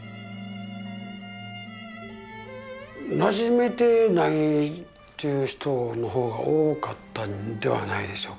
なじめてないっていう人の方が多かったんではないでしょうかね。